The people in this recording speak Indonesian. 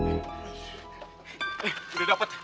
eh udah dapet